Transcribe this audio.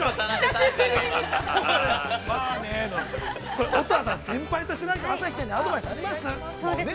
これ乙葉さん、先輩として、何か朝日さんにアドバイスあります？